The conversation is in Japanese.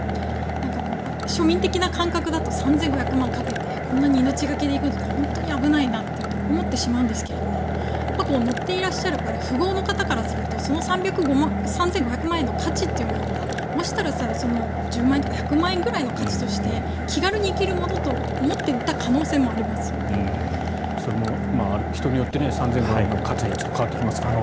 庶民的な感覚だと３５００万円かけてこんなに命懸けで行くのって本当に危ないなと思ってしまうんですが乗っていらっしゃる富豪の方からするとその３５００万円の価値がもしかしたら１０万円とか１００万円くらいの価値として気軽に行けるものと思っていたそれも人によって３５００万円価値が変わってきますからね。